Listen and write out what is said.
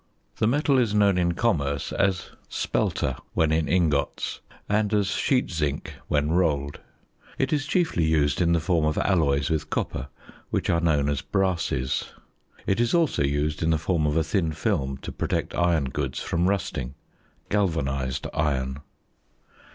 The metal is known in commerce as "spelter" when in ingots, and as sheet zinc when rolled. It is chiefly used in the form of alloys with copper, which are known as brasses. It is also used in the form of a thin film, to protect iron goods from rusting galvanised iron.